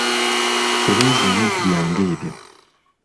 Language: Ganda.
Tereza ebintu byange ebyo.